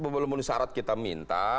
belum disarat kita minta